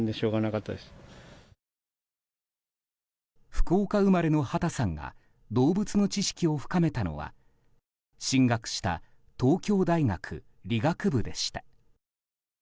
福岡生まれの畑さんが動物の知識を深めたのは進学した東京大学理学部でした。